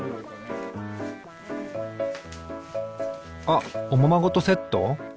あっおままごとセット？